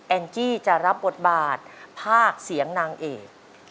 จี้จะรับบทบาทภาคเสียงนางเอก